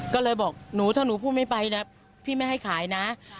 ก็เลยบอกหนูถ้าหนูพูดไม่ไปนะพี่ไม่ให้ขายนะ